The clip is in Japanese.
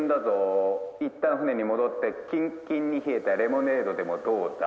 いったん船に戻ってキンキンに冷えたレモネードでもどうだ？」。